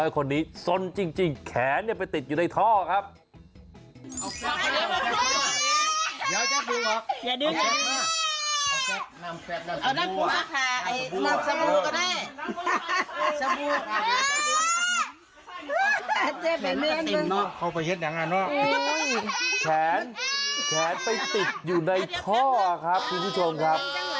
สนจริงแขนไปติดอยู่ในท่อครับคุณผู้ชมครับ